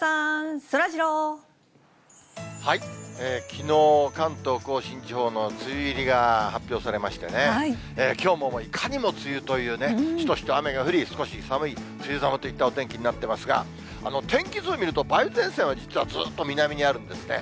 きのう、関東甲信地方の梅雨入りが発表されましてね、きょうもいかにも梅雨というね、しとしと雨が降り、少し寒い、梅雨寒といったお天気になっていますが、天気図を見ると、梅雨前線は実は、ずっと南にあるんですね。